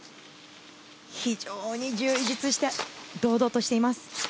非常に充実して堂々としています。